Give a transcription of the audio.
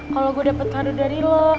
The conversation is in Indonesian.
kalo gue dapet kado dari lo